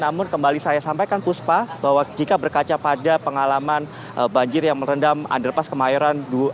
namun kembali saya sampaikan puspa bahwa jika berkaca pada pengalaman banjir yang merendam underpass kemayoran